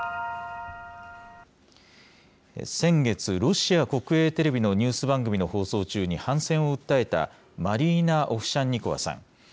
先月、ロシア国営テレビのニュース番組の放送中に反戦を訴えた、マリーナ・オフシャンニコワさん。